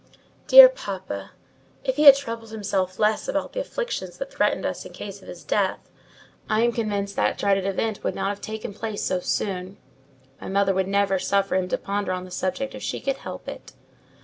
Dear papa! if he had troubled himself less about the afflictions that threatened us in case of his death, I am convinced that dreaded event would not have taken place so soon. My mother would never suffer him to ponder on the subject if she could help it.